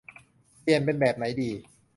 เปลี่ยนเป็นแบบไหนดี